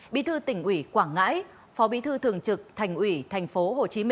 bí thư tỉnh ủy quảng ngãi phó bí thư thường trực thành ủy tp hcm